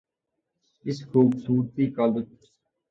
اس خوبصورتی کا لطف